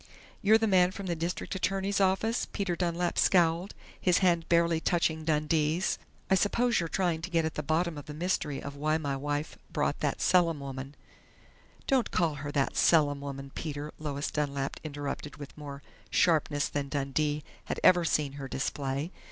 "You're the man from the district attorney's office?" Peter Dunlap scowled, his hand barely touching Dundee's. "I suppose you're trying to get at the bottom of the mystery of why my wife brought that Selim woman " "Don't call her 'that Selim woman', Peter!" Lois Dunlap interrupted with more sharpness than Dundee had ever seen her display.